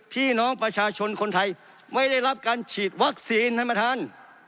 ที่น้องประชาชนคนไทยไว้ได้รับการฉีดวัคซีนให้มาทาน